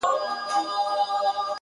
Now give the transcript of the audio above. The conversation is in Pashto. • له مستیه پر دوو سرو پښو سوه ولاړه -